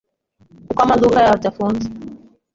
kuko amaduka yabyo afunze